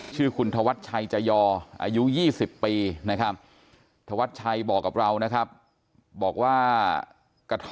ชื่อคุณทวชชัยตายอ